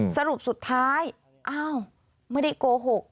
สรุปสุดท้ายไม่ได้เก้าหก